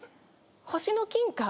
『星の金貨』？